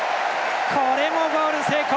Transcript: これもゴール成功！